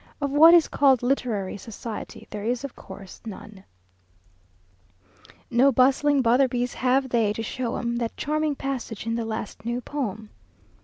Of what is called literary society, there is of course none "No bustling Botherbys have they to show 'em That charming passage in the last new poem."